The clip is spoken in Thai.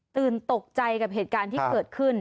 ตื่นตกใจกับเหตุการณ์ที่เกิดขึ้น